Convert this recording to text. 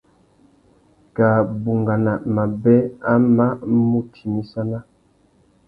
Kā bungana mabê a mà mù timissana.